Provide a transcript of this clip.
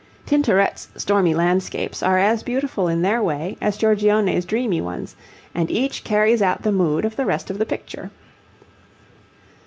Tintoret's stormy landscapes are as beautiful in their way as Giorgione's dreamy ones, and each carries out the mood of the rest of the picture.